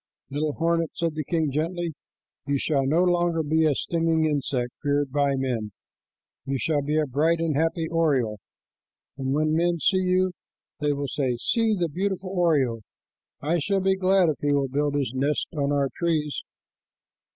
"Little hornet," said the king gently, "you shall no longer be a stinging insect feared by men. You shall be a bright and happy oriole, and when men see you, they will say, 'See the beautiful oriole. I shall be glad if he will build his nest on our trees.'"